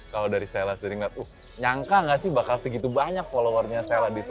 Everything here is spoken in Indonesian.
kalau dari sela sendiri ngeliat uh nyangka gak sih bakal segitu banyak followernya sela di sini